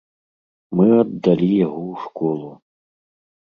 Мы аддалі яго ў школу.